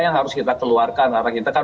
yang harus kita keluarkan karena kita kan